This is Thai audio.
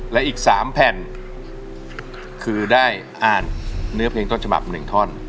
และอีก๓แผ่นคือได้อ่านเนื้อเพลงต้นฉบับ๑ท่อน